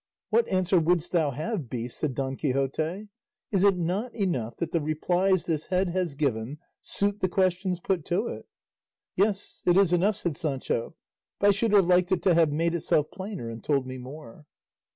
"What answer wouldst thou have, beast?" said Don Quixote; "is it not enough that the replies this head has given suit the questions put to it?" "Yes, it is enough," said Sancho; "but I should have liked it to have made itself plainer and told me more."